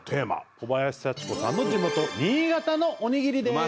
小林幸子さんの地元新潟のおにぎりです。